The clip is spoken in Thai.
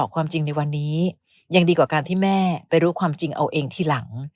ความจริงในวันนี้ยังดีกว่าการที่แม่ไปรู้ความจริงเอาเองทีหลัง